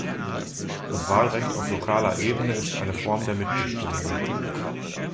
Das Wahlrecht auf lokaler Ebene ist eine Form der Mitbestimmung.